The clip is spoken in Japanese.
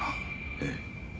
ええ。